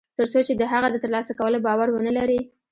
تر څو چې د هغه د تر لاسه کولو باور و نهلري